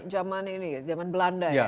zaman ini ya zaman belanda ya